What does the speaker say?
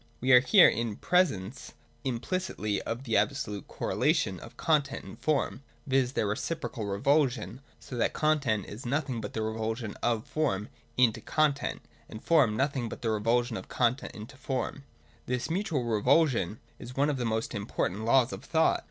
We are here in presence, implicitly, of the absolute correlation 'of content and form : viz. their reciprocal revulsion, so that content is nothing but the revulsion of form into con tent, and form nothing but the revulsion of content into form. This mutual revulsion is one of the most impor tant laws of thought.